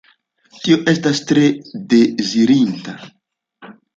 Tio estas tre dezirinda.